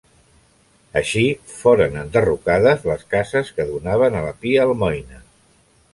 Així, foren enderrocades les cases que donaven a la Pia Almoina.